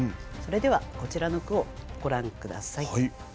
それではこちらの句をご覧下さい。